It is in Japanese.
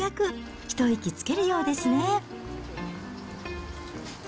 ここでようやく一息つけるようですね。